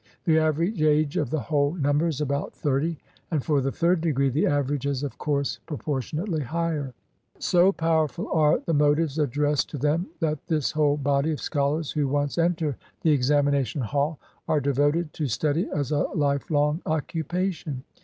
The average age of the whole number is above thirty; and for the third degree the average is of course propor tionally higher. So powerful are the motives addressed to them that the whole body of scholars who once enter the examina tion hall are devoted to study as a life long occupation.